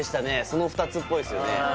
その２つっぽいですよね